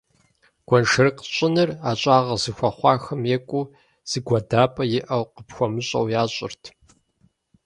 Гуэншэрыкъ щӀыныр ӀэщӀагъэ зыхуэхъуахэм екӀуу, зыгуэдапӀэ иӀэу къыпхуэмыщӀэу ящӀырт.